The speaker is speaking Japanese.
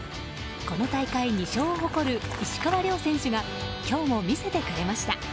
この大会２勝を誇る石川遼選手が今日も見せてくれました。